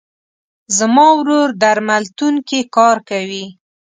زما ورور درملتون کې کار کوي.